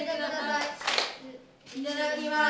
いただきます。